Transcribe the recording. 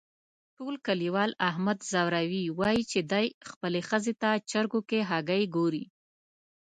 ټول کلیوال احمد ځوروي، وایي چې دی خپلې ښځې ته چرگو کې هگۍ گوري.